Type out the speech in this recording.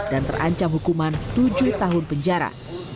dan terancam hukuman tujuh tahun penjara